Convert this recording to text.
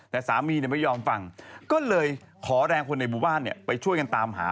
แต่สามีไม่ยอมฟังก็เลยขอแรงคนในหมู่บ้านไปช่วยกันตามหา